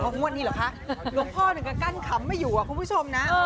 หัวหัวนี่เหรอคะหลวงพ่อมันก็กั้นคำไม่อยู่อ่ะคุณผู้ชมนะ